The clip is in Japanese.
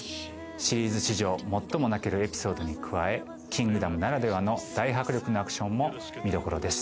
シリーズ史上最も泣けるエピソードに加え、キングダムならではの大迫力のアクションも見どころです。